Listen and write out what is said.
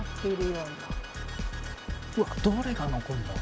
うわっどれが残るんだろ。